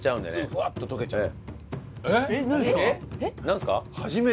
ふわっと溶けちゃう。